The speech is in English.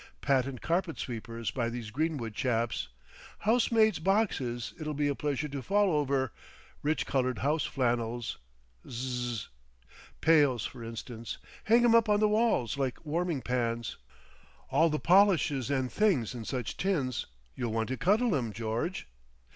Patent carpet sweepers by these greenwood chaps, housemaid's boxes it'll be a pleasure to fall over—rich coloured house flannels. Zzzz. Pails, f'rinstance. Hang 'em up on the walls like warming pans. All the polishes and things in such tins—you'll want to cuddle 'em, George!